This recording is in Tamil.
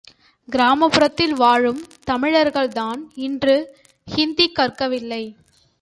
கிராமபுறத்தில் வாழும் தமிழர்கள் தான் இன்று இந்தி கற்கவில்லை.